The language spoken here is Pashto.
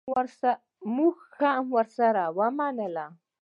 مونږ هم ورسره ومنله.